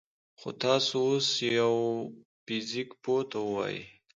خو تاسو اوس يوه فزيك پوه ته ووايئ: